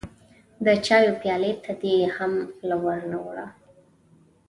د چايو پيالې ته دې هم خوله ور نه وړه.